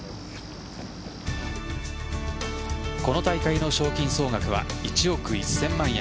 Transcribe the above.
この大会の賞金総額は１億１０００万円。